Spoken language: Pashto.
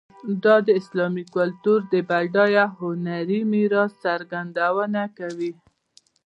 دا د اسلامي کلتور د بډایه هنري میراث څرګندونه کوي.